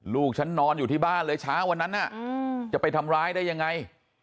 ลูกฉันนอนอยู่ที่บ้านเลยช้าวันนั้นจะไปทำร้ายได้ยังไง